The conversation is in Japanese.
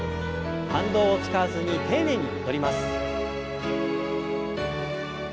反動を使わずに丁寧に戻ります。